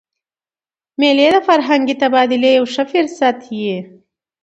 مېلې د فرهنګي تبادلې یو ښه فرصت يي.